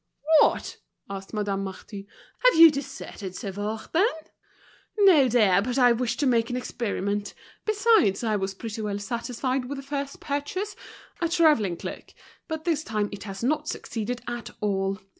"What!" asked Madame Marty, "have you deserted Sauveur, then?" "No, dear, but I wished to make an experiment. Besides, I was pretty well satisfied with a first purchase, a travelling cloak. But this time it has not succeeded at all.